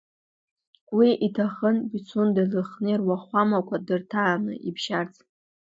Уи иҭахын Пицундеи Лыхни руахәамақәа дырҭааны иԥшьарц.